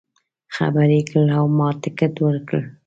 خبر یې کړ او ما ټکټ ورکړ.